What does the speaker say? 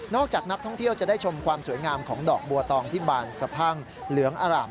จากนักท่องเที่ยวจะได้ชมความสวยงามของดอกบัวตองที่บานสะพั่งเหลืองอร่าม